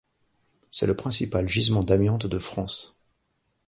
C'est le principal gisement d'amiante de France.